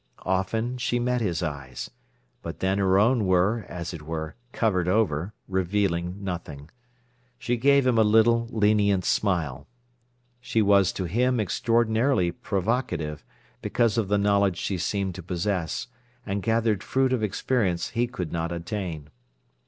Often she met his eyes. But then her own were, as it were, covered over, revealing nothing. She gave him a little, lenient smile. She was to him extraordinarily provocative, because of the knowledge she seemed to possess, and gathered fruit of experience he could not attain.